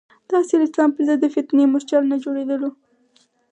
د اصیل اسلام پر ضد د فتنې مورچل نه جوړېدلو.